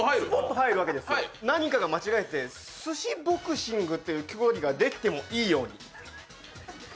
何かが間違えて寿司ボクシングという競技ができてもいいように。